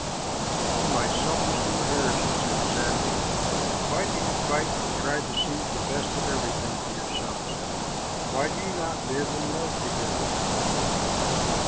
"Oh, my selfish little hares," he said sadly, "why do you fight and try to seize the best of everything for yourselves? Why do you not live in love together?"